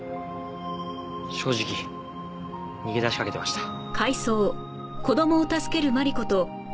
正直逃げ出しかけてました。